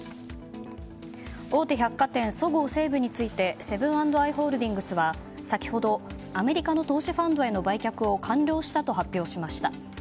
大手百貨店そごう・西武についてセブン＆アイ・ホールディングスは先ほどアメリカの投資ファンドへの売却を完了したと発表しました。